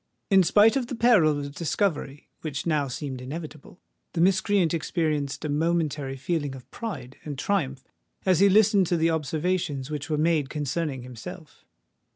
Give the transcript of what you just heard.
In spite of the peril of discovery which now seemed inevitable, the miscreant experienced a momentary feeling of pride and triumph as he listened to the observations which were made concerning himself.